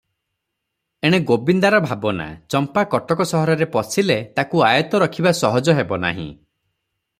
ଏଣେ ଗୋବିନ୍ଦାର ଭାବନା, ଚମ୍ପା କଟକ ସହରରେ ପଶିଲେ ତାକୁ ଆୟତ୍ତ ରଖିବା ସହଜ ହେବ ନାହିଁ ।